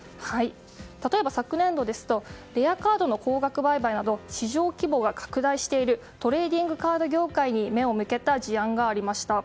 例えば昨年度ですとレアカードの高額売買など市場規模が拡大しているトレーディングカード業界に目を向けた事案がありました。